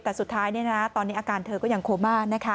แต่สุดท้ายตอนนี้อาการเธอก็ยังโคม่านะคะ